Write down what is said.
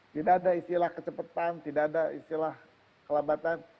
tidak ada istilah kecepatan tidak ada istilah kelambatan